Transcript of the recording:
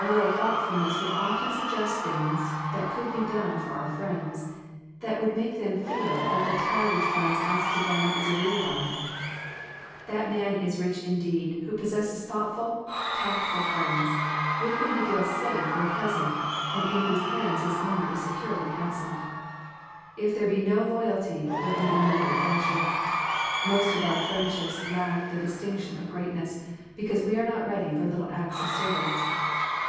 A little thoughtfulness would often suggest things that could be done for our friends, that would make them feel that the tie which binds us to them is a real one. That man is rich ii>* 80 Digitized by VjOOQIC THE FRUITS OF FRIENDSHIP deed, who possesses thoughtful, tactful friends, with whom he feels safe when present, and in whose hands his honor is secure when absent. If there be no loy alty, there can be no great friendship. Most of our friendships lack the distinc tion of greatness, because we are not ready for little acts of service.